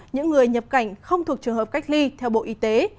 những người nhập cảnh không thuộc trường hợp cách ly theo bộ y tế